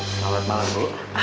selamat malam bu